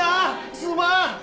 すまん。